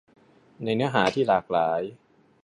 ในเนื้อหาที่หลากหลาย